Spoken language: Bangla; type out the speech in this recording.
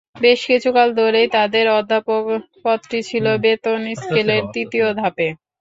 বেশ কিছুকাল ধরেই তাঁদের অধ্যাপক পদটি ছিল বেতন স্কেলের তৃতীয় ধাপে।